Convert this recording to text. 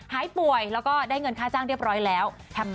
หายป่วยแล้วก็ได้เงินค่าจ้างเรียบร้อยแล้ว